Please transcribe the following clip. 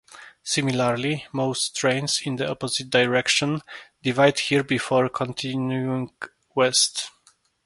Similarly, most trains in the opposite direction divide here before continuing west.